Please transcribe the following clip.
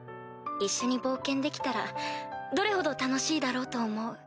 一緒に冒険できたらどれほど楽しいだろうと思う。